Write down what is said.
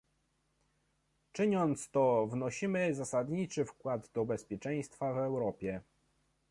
Czyniąc to, wnosimy zasadniczy wkład do bezpieczeństwa w Europie